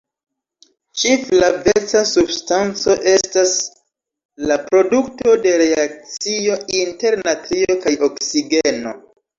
Ĉi-flaveca substanco estas la produkto de reakcio inter natrio kaj oksigeno.